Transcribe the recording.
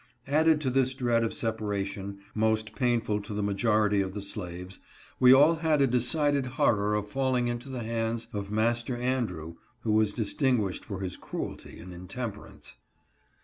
Added to this dread of separation, most painful to the majority of the slaves, we all had a decided horror of falling into the hands of Master Andrew, who was dis tinguished for his cruelty and intemperance.